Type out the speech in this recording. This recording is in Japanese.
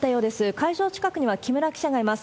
会場近くには木村記者がいます。